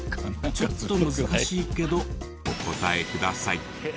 ちょっと難しいけどお答えください。